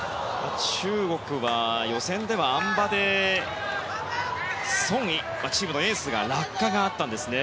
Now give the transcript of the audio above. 中国は予選ではあん馬でソン・イチームのエースに落下があったんですね。